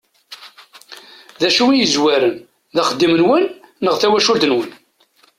D acu i yezwaren, d axeddim-nwen neɣ d tawacult-nwen?